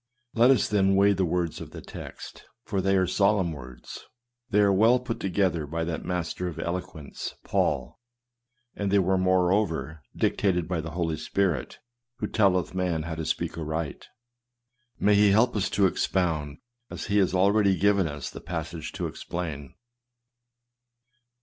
Let us, then, weigh the words of the text, for they are solemn words. They are well put together by that master of eloquence, Paul, and they were, moreover, dictated by the Holy Spirit, who telleth man how to speak aright. May he help us to ex pound, as he has already given us the passage to explain.